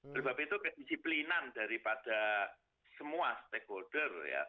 oleh sebab itu kedisiplinan daripada semua stakeholder ya